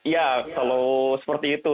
ya kalau seperti itu